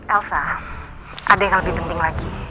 elsa ada yang lebih penting lagi